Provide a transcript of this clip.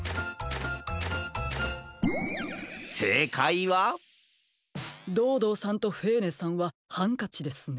せいかいはドードーさんとフェーネさんはハンカチですね。